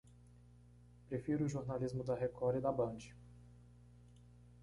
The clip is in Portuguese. Prefiro o jornalismo da Record e da Band.